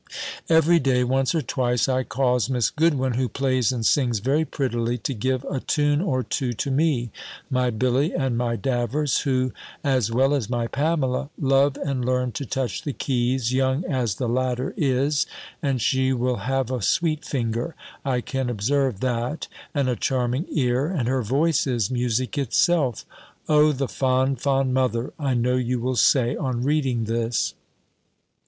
Every day, once or twice, I cause Miss Goodwin, who plays and sings very prettily, to give a tune or two to me, my Billy and my Davers, who, as well as my Pamela, love and learn to touch the keys, young as the latter is; and she will have a sweet finger; I can observe that; and a charming ear; and her voice is music itself! "O the fond, fond mother!" I know you will say, on reading this.